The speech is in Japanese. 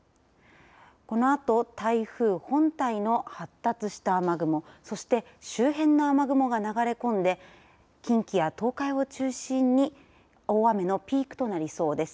このあと台風本体の発達した雨雲そして周辺の雨雲が流れ込んで近畿や東海を中心に大雨のピークとなりそうです。